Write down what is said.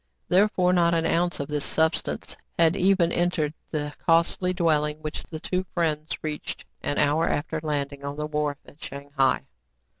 Therefore not an ounce of this substance had even entered the costly dwelling which the two friends reached an hour after landing on the wharf at Shang hai.